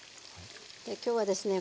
今日はですね